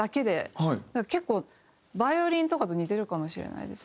結構バイオリンとかと似てるかもしれないですね。